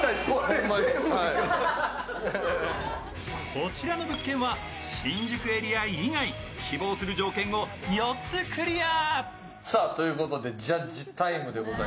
こちらの物件は新宿エリア以外希望する条件を４つクリア。